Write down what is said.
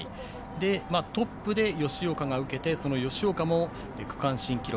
トップで吉岡が受けてその吉岡も区間新記録。